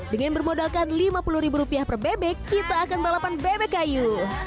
dengan bermodalkan lima puluh ribu rupiah per bebek kita akan balapan bebek kayu